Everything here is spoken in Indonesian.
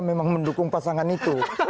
memang mendukung pasangan itu